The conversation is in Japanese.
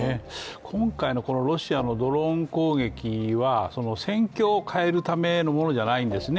今回のロシアのドローン攻撃は戦況を変えるためのものじゃないんですね。